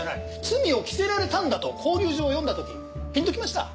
罪を着せられたんだと勾留状を読んだ時ピンときました。